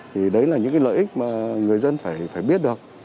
thì đấy là những cái lợi ích mà người dân phải biết được